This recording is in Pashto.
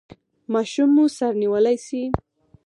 ماشوم مو سر نیولی شي؟